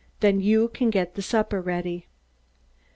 Then you can get the supper ready."